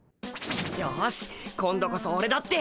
よし今度こそオレだって。